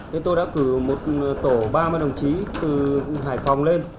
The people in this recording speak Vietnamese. nên tôi đã cử một tổ ba mươi đồng chí từ hải phòng lên